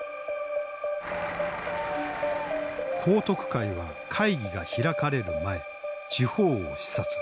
彭徳懐は会議が開かれる前地方を視察。